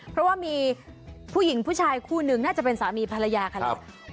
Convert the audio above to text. เพราะว่ามีผู้หญิงผู้ชายคู่หนึ่งน่าจะเป็นสามีภรรยากันแหละ